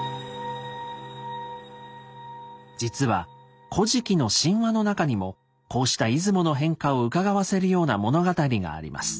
実は「古事記」の神話の中にもこうした出雲の変化をうかがわせるような物語があります。